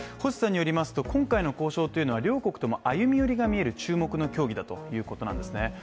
星さんによりますと、今回の交渉っていうのは両国との歩み寄りが見える注目の協議だということなんですね。